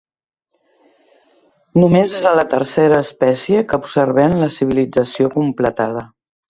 Només és a la tercera espècie que observem la civilització completada.